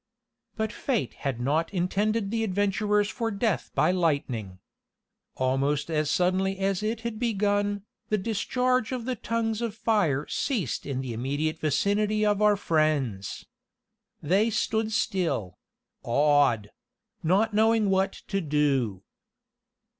But fate had not intended the adventurers for death by lightning. Almost as suddenly as it had begun, the discharge of the tongues of fire ceased in the immediate vicinity of our friends. They stood still awed not knowing what to do.